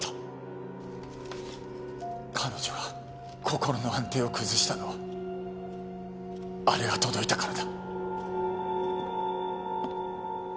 彼女が心の安定を崩したのはあれが届いたからだ。